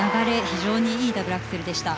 非常にいいダブルアクセルでした。